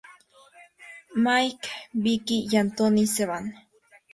Mikey, Vicki, y Anthony se van.